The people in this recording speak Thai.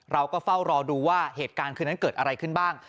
เราก็เฝ้ารอดูว่าเหตุการณ์คืนนั้นเกิดอะไรขึ้นบ้าง